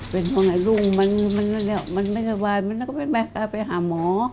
เป็นคนไหนรุ่งมันไม่สบายมันก็ไปหาหมอ